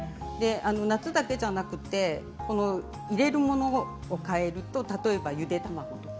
夏だけじゃなくて入れるものを変えると例えば、ゆで卵とか。